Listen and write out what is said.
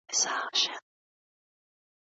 زه په خپل ټول وجود کې درنه ستړیا احساسوم.